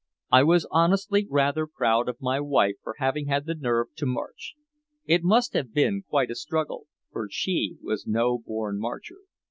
I was honestly rather proud of my wife for having had the nerve to march. It must have been quite a struggle, for she was no born marcher.